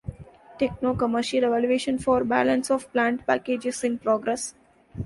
Techno-Commercial evaluation for Balance of Plant package is in progress.